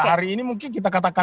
hari ini mungkin kita katakan